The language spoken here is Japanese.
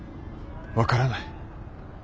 分からない。